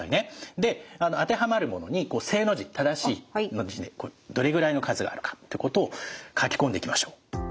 で当てはまるものに「正」の字「正しい」の字でどれぐらいの数があるかってことを書き込んでいきましょう。